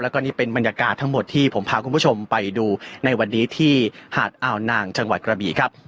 แล้วก็นี่เป็นบรรยากาศทั้งหมดที่ผมพาคุณผู้ชมไปดูในวันนี้ที่หาดอ่าวนางจังหวัดกระบีครับ